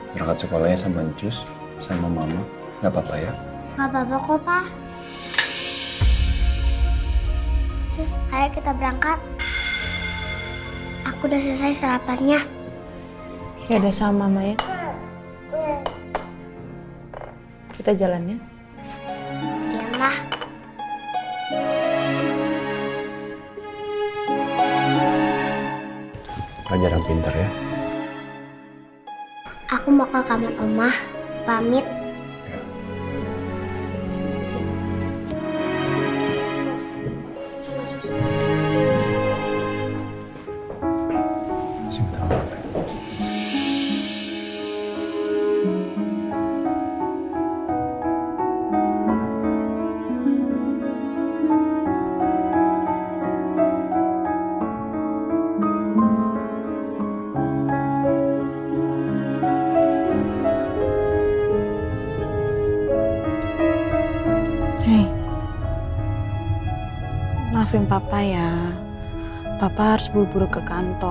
pak kalau sampai besok ibu masih lemas dokter menyarankan untuk ibu dibawa ke rumah sakit